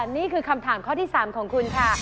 นี่คือคำถามข้อที่๓ของคุณค่ะ